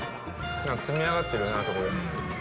積み上がってるね、あそこで。